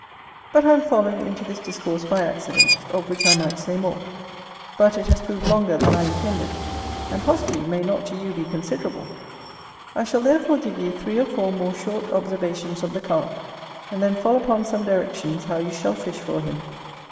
But I am fallen into this discourse by accident; of which I might say more, but it has proved longer than I intended, and possibly may not to you be considerable: I shall therefore give you three or four more short observations of the Carp, and then fall upon some directions how you shall fish for him.